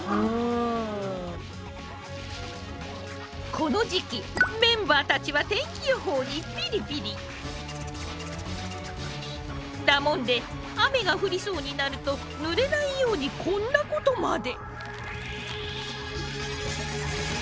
この時期メンバーたちはだもんで雨が降りそうになるとぬれないようにこんなことまで！